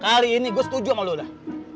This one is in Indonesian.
kali ini gue setuju sama lo udah